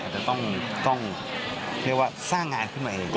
จะต้องเรียกว่าสร้างงานขึ้นมาเอง